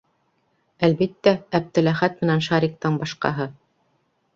- Әлбиттә, Әптеләхәт менән Шариктан башҡаһы.